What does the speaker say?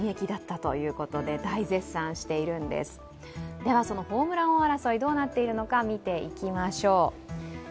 ではホームラン王争い、どうなっているのか見ていきましょう。